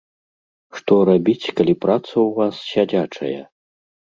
Што рабіць, калі праца ў вас сядзячая?